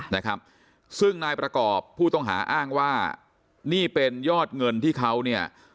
นะครับซึ่งนายประกอบผู้ต้องหาอ้างว่านี่เป็นยอดเงินที่เขาเนี่ย